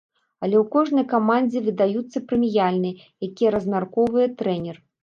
Але ў кожнай камандзе выдаюцца прэміяльныя, якія размяркоўвае трэнер.